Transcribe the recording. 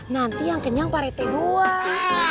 nanti yang kenyang pak rete doang